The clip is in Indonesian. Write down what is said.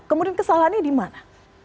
kemudian kesalahannya di mana